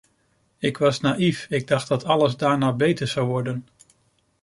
Ik was naïef, ik dacht dat alles daarna beter zou worden.